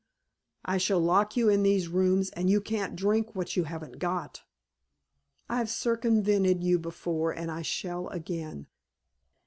"I shall lock you in these rooms and you can't drink what you haven't got." "I've circumvented you before and I shall again."